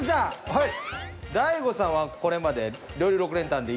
はい。